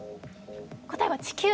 答えは地球。